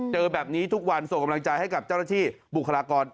เจอแบบนี้ทุกวันส่งกำลังใจให้กับเจ้าหน้าที่บุคลากร